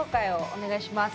お願いします。